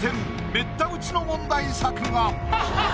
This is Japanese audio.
めった打ちの問題作が！